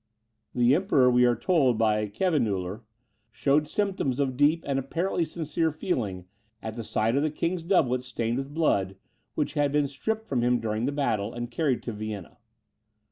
The Emperor, we are told by Khevenhuller, showed symptoms of deep, and apparently sincere feeling, at the sight of the king's doublet stained with blood, which had been stripped from him during the battle, and carried to Vienna.